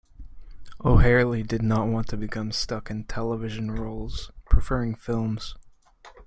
O'Herlihy did not want to become stuck in television roles, preferring films.